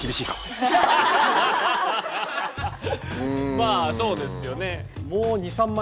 まあそうですよね。